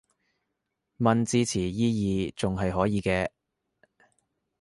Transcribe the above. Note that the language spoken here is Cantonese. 問字詞意義仲係可以嘅